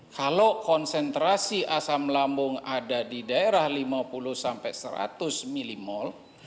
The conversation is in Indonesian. kalau konsentrasi asam lambung ada di daerah lima puluh sampai seratus ml